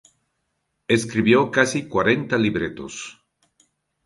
Escribió casi cuarenta libretos.